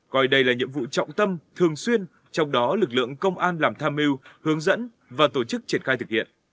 coi đây là nhiệm vụ trọng tâm thường xuyên trong đó lực lượng công an làm tham mưu hướng dẫn và tổ chức triển khai thực hiện